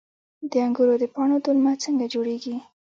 د انګورو د پاڼو دلمه څنګه جوړیږي؟